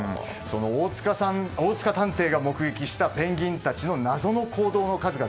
大塚探偵が目撃したペンギンたちの謎の行動の数々。